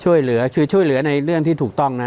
ช่วยเหลือคือช่วยเหลือในเรื่องที่ถูกต้องนะ